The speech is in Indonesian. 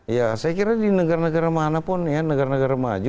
ya saya kira di negara negara manapun ya negara negara maju